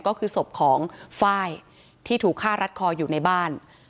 ก็คือศพของไฟล์ที่ถูกฆ่ารัดคออยู่ในบ้าน